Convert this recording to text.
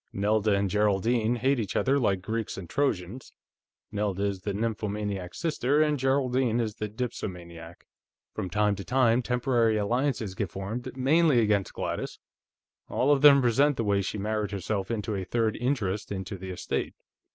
Nelda and Geraldine hate each other like Greeks and Trojans. Nelda is the nymphomaniac sister, and Geraldine is the dipsomaniac. From time to time, temporary alliances get formed, mainly against Gladys; all of them resent the way she married herself into a third interest in the estate.